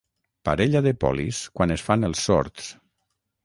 Parella de polis quan es fan els sords.